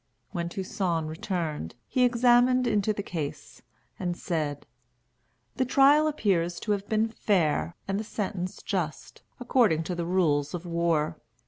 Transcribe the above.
When Toussaint returned, he examined into the case, and said: "The trial appears to have been fair, and the sentence just, according to the rules of war.